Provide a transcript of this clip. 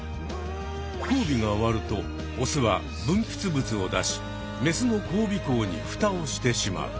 交尾が終わるとオスはぶんぴつぶつを出しメスの交尾口にフタをしてしまう。